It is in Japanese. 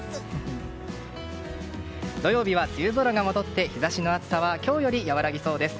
土曜日は梅雨空が戻って日差しの暑さは今日よりやわらぎそうです。